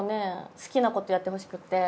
好きなことやってほしくて。